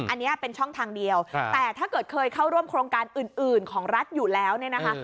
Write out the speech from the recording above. อันนี้เป็นช่องทางเดียวแต่ถ้าเกิดเคยเข้าร่วมโครงการอื่นของรัฐอยู่แล้วเนี่ยนะคะ